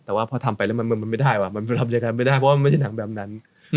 แต่ว่าพอทำไปแล้วมันไม่ได้ว่ะมันทำยังไงไม่ได้เพราะมันไม่ใช่หนังแบบนั้น